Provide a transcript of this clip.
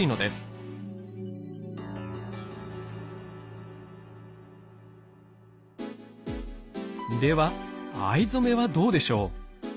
では藍染めはどうでしょう？